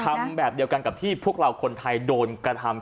ทำแบบเดียวกันกับที่พวกเราคนไทยโดนกระทำ